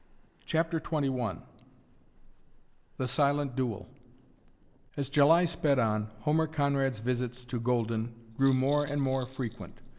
CHAPTER XXI THE SILENT DUEL As July sped on Homer Conrad's visits to Golden grew more and more frequent.